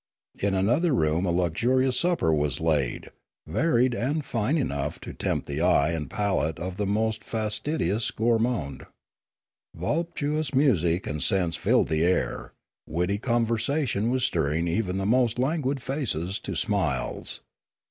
In another room a luxurious supper was laid, varied and fine Their Heaven and Their Hell 241 enough to tempt the eye and palate of the most fastidi ous gourmand. Voluptuous music and scents filled the air; witty conversation was stirring even the most languid faces to smiles.